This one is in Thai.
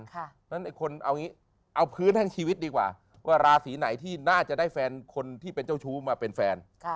เพราะฉะนั้นคนเอาพื้นให้ชีวิตดีกว่าว่าราศีไหนที่น่าจะได้แฟนคนที่เป็นเจ้าชู้มาเป็นแฟน